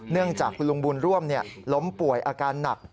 เนื่องจากคุณลุงบุญร่วมล้มป่วยอาการหนัก